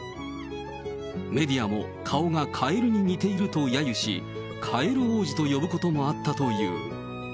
メディアも顔がカエルに似ているとやゆし、カエル王子と呼ぶこともあったという。